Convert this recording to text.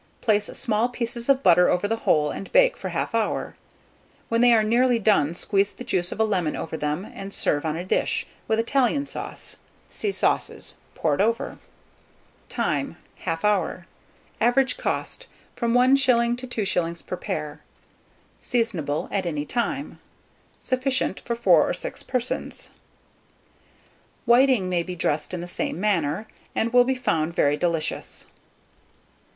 Place small pieces of butter over the whole, and bake for 1/2 hour. When they are nearly done, squeeze the juice of a lemon over them, and serve on a dish, with Italian sauce (see Sauces) poured over. Time. 1/2 hour. Average cost, from 1s. to 2s. per pair. Seasonable at any time. Sufficient for 4 or 6 persons. WHITING may be dressed in the same manner, and will be found very delicious.